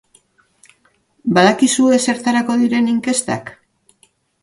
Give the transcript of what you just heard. Badakizue zertarako diren inkestak?